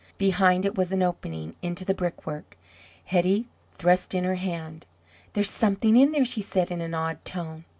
Behind it was an opening into the brickwork. Hetty thrust in her hand. "There's something in there!" she said in an awed tone.